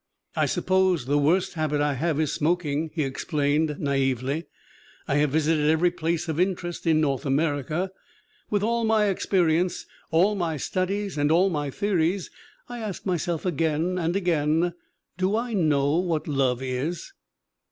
I suppose the worst habit I have is smoking." He explained naively: "I have visited every place of interest in North America. ... With all my experience, all my studies and all my theories I ask myself again and again : Do I know what love is